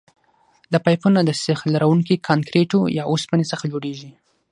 دا پایپونه د سیخ لرونکي کانکریټو یا اوسپنې څخه جوړیږي